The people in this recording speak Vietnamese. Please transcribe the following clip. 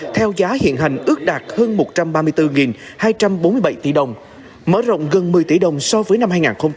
theo giá hiện hành ước đạt hơn một trăm ba mươi bốn hai trăm bốn mươi bảy tỷ đồng mở rộng gần một mươi tỷ đồng so với năm hai nghìn một mươi tám